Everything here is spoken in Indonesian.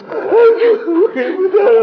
aku gak mungkin buta pak